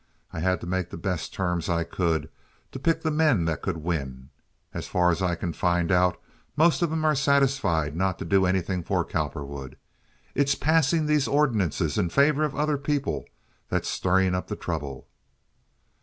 I had to make the best terms I could—to pick the men that could win. As far as I can find out most of 'em are satisfied not to do anything for Cowperwood. It's passing these ordinances in favor of other people that's stirring up the trouble."